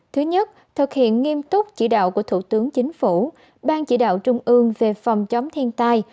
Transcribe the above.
thứ nhất thực hiện nghiêm túc chỉ đạo của thủ tướng chính phủ ban chỉ đạo trung ương về phòng chống thiên tai